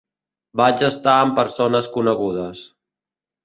Vaig estar amb persones conegudes.